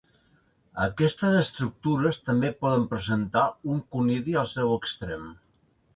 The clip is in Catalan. Aquestes estructures també poden presentar un conidi al seu extrem.